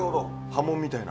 波紋みたいな。